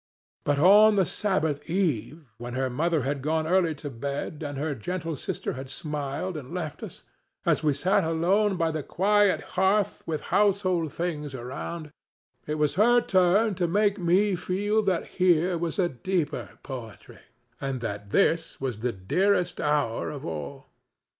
But on the Sabbath eve, when her mother had gone early to bed and her gentle sister had smiled and left us, as we sat alone by the quiet hearth with household things around, it was her turn to make me feel that here was a deeper poetry, and that this was the dearest hour of all.